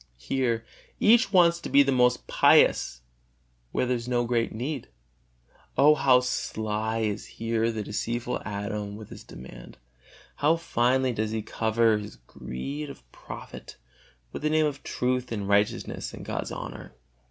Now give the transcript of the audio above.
Here each wants to be the most pious, where there is no great need. O how sly is here the deceitful Adam with his demand; how finely does he cover his greed of profit with the name of truth and righteousness and God's honor!